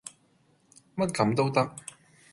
乜咁都得